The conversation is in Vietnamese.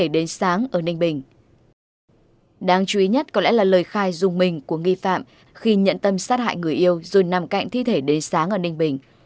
đáng chú ý nhất có lẽ là lời khai dùng mình của nghi phạm khi nhận tâm sát hại người yêu rồi nằm cạnh thi thể đế sáng ở ninh bình